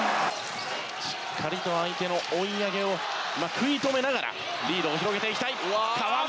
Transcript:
しっかりと相手の追い上げを食い止めながらリードを広げていきたい。